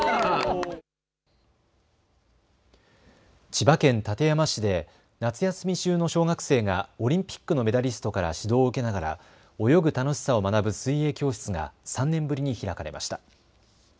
千葉県館山市で夏休み中の小学生がオリンピックのメダリストから指導を受けながら泳ぐ楽しさを学ぶ水泳教室が３年ぶりに開かれました。